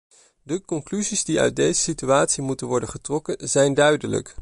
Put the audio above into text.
De conclusies die uit deze situatie moeten worden getrokken zijn duidelijk.